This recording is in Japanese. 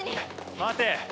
待て！